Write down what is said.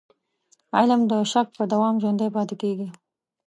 علم د شک په دوام ژوندی پاتې کېږي.